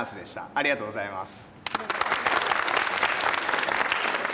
ありがとうございます。